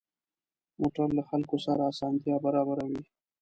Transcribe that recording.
موټر له خلکو سره اسانتیا برابروي.